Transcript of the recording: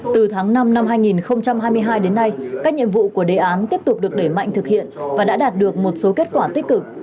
từ tháng năm năm hai nghìn hai mươi hai đến nay các nhiệm vụ của đề án tiếp tục được để mạnh thực hiện và đã đạt được một số kết quả tích cực